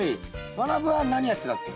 まなぶは何やってたっけ？